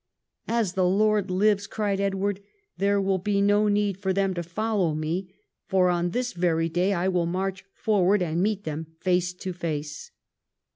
"As the Lord lives," cried Edward, "there will be no need for them to follow me, for on this very day I will march forward and meet them face to face."